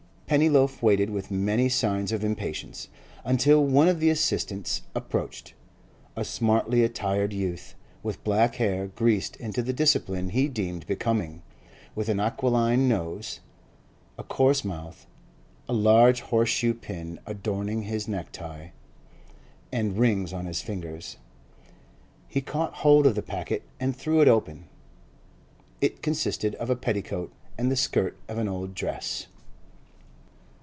Pennyloaf waited with many signs of impatience, until one of the assistants approached, a smartly attired youth, with black hair greased into the discipline he deemed becoming, with an aquiline nose, a coarse mouth, a large horseshoe pin adorning his necktie, and rings on his fingers. He caught hold of the packet and threw it open; it consisted of a petticoat and the skirt of an old dress.